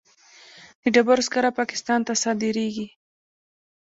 د ډبرو سکاره پاکستان ته صادریږي